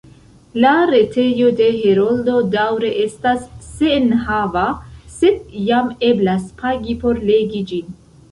La retejo de Heroldo daŭre estas senenhava, sed jam eblas pagi por legi ĝin.